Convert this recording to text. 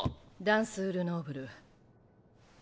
ダンスール・ノーブル。